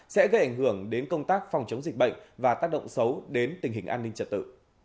sẽ gây ảnh hưởng đến công tác phòng chống dịch bệnh và tác động xấu đến tình hình an ninh trật tự